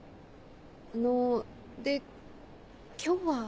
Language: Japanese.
あので今日は。